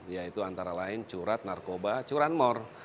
yaitu antara lain curat narkoba curanmor